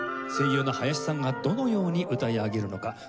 声優の林さんがどのように歌い上げるのか。